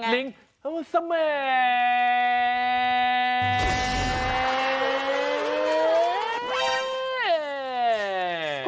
ลิงสม่า